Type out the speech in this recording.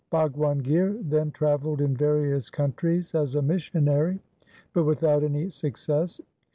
Bhagwan Gir then travelled in various countries as a missionary, but without any success.